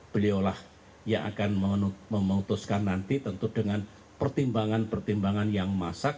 beliaulah yang akan memutuskan nanti tentu dengan pertimbangan pertimbangan yang masak